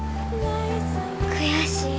悔しい。